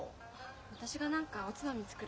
私が何かおつまみ作る。